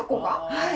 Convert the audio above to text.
はい。